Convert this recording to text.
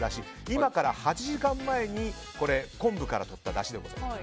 今から８時間前に昆布からとっただしでございます。